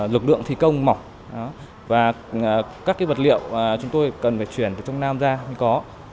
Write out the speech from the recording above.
lực lượng thi công mỏng và các vật liệu chúng tôi cần phải chuyển từ trong nam ra khi có